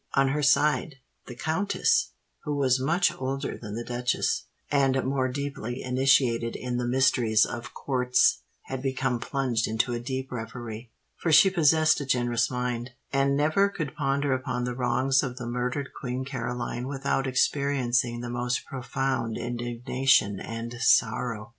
On her side, the countess—who was much older than the duchess, and more deeply initiated in the mysteries of Courts—had become plunged into a deep reverie; for she possessed a generous mind, and never could ponder upon the wrongs of the murdered Queen Caroline without experiencing the most profound indignation and sorrow.